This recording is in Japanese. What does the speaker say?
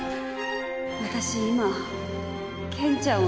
私今